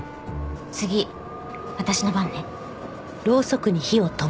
次私の番ね。